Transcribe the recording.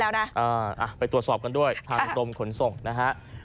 ไปตรวจสอบกันด้วยทางกรมขนส่งนะฮะ